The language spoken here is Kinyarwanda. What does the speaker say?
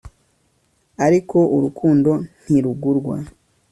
ariko urukundo ntirugurwa